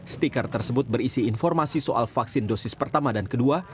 stiker tersebut berisi informasi soal vaksin dosis pertama dan kedua